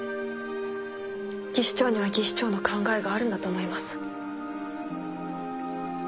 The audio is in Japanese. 技師長には技師長の考えがあるんだと思います。